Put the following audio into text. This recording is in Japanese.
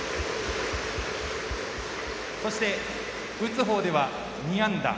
そして、打つほうでは２安打。